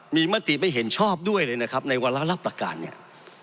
มีมติไม่เห็นชอบด้วยเลยนะครับในวาระรับประการเนี่ย